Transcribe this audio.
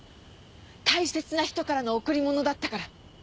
大切な人からの贈り物だったから。